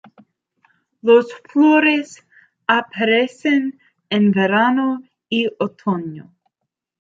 Las flores aparecen en verano y otoño.